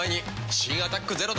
新「アタックＺＥＲＯ」